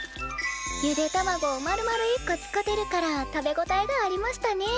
ゆで卵をまるまる１個使てるから食べ応えがありましたね。